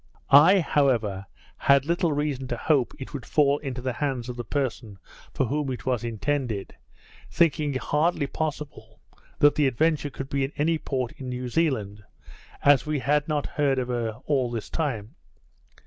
I, however, had little reason to hope it would fall into the hands of the person for whom it was intended, thinking it hardly possible that the Adventure could be in any port in New Zealand, as we had not heard of her all this time.